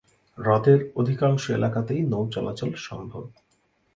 হ্রদের অধিকাংশ এলাকাতেই নৌ চলাচল সম্ভব।